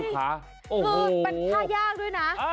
ประทะยากด้วยนะ